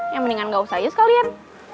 ya mendingan gak usah ius kalian